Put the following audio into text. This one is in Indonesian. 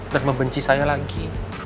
dan membenci saya lagi